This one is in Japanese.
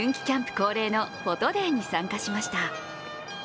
恒例のフォトデーに参加しました。